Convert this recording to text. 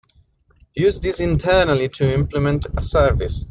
Use this internally to implement a service.